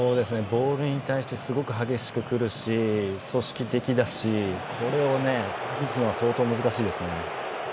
ボールに対してすごく激しくくるし組織的だしこれをね崩すのは相当難しいですね。